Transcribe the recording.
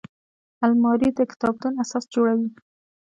الماري د کتابتون اساس جوړوي